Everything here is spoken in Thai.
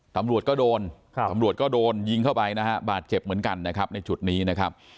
ตำรวจก็โดนตำรวจก็โดนยิงเข้าไปนะฮะบาดเจ็บเหมือนกันนะครับในจุดนี้นะครับ